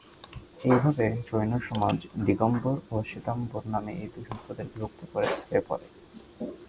এইভাবে জৈন সমাজ দিগম্বর ও শ্বেতাম্বর নামে দুই সম্প্রদায়ে বিভক্ত হয়ে পড়ে।